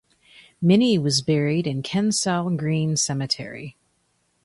Minny was buried in Kensal Green Cemetery.